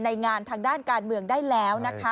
งานทางด้านการเมืองได้แล้วนะคะ